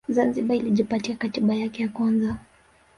Zanzibar ilijipatia Katiba yake ya kwanza